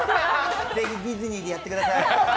ぜひディズニーでやってください。